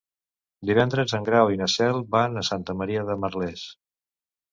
Divendres en Grau i na Cel van a Santa Maria de Merlès.